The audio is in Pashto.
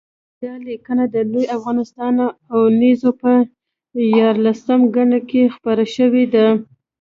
دا لیکنه د لوی افغانستان اوونیزې په یارلسمه ګڼه کې خپره شوې ده